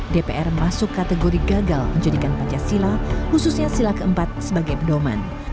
dpr masuk kategori gagal menjadikan pancasila khususnya sila keempat sebagai pedoman